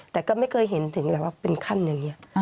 แต่ก็ไม่เคยเห็นถึงแบบว่าเป็นขั้นอย่างนี้